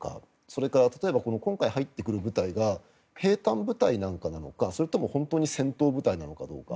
それから、例えば今回入ってくる部隊が兵たん部隊なのかそれとも本当に戦闘部隊なのか。